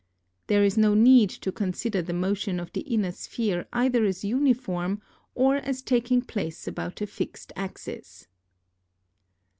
There is no need to consider the motion of the inner sphere either as uniform or as taking place about a fixed axis.